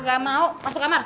gak mau masuk kamar